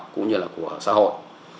cũng như là của xã hội